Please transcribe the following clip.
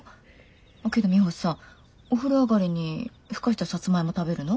あけどミホさんお風呂上がりにふかしたサツマイモ食べるの？